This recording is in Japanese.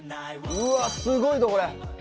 うわすごいぞこれ！